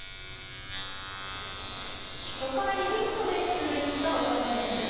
初回、ヒットで出塁した大谷選手。